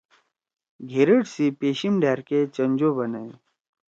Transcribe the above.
گھِریڈ سی پیشِم ڈھأر کے چنجو بنَدی۔